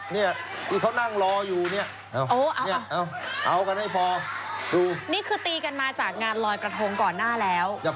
นี่คือตีกันมาจากงานลอยกระทงก่อนหน้าแล้ว